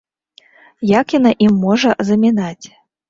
Як яна ім можа замінаць?